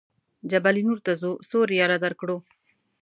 جبل نور ته ځو څو ریاله درکړو.